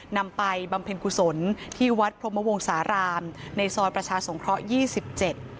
นำไปบำเพ็ญกุศลที่วัดพรหมวงสารามในซ้อนประชาสงเคราะห์๒๗